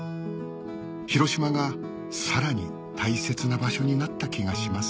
広島がさらに大切な場所になった気がします